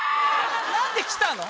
何で来たの？